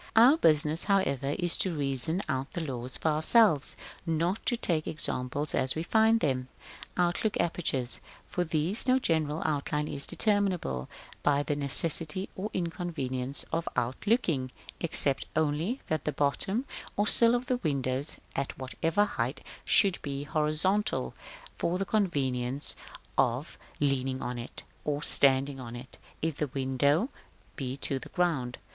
Our business, however, is to reason out the laws for ourselves, not to take the examples as we find them. § XI. 1. Outlook apertures. For these no general outline is determinable by the necessities or inconveniences of outlooking, except only that the bottom or sill of the windows, at whatever height, should be horizontal, for the convenience of leaning on it, or standing on it if the window be to the ground.